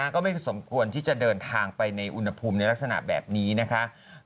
ก็ไม่สมควรที่จะเดินทางไปในอุณหภูมิในลักษณะแบบนี้นะคะ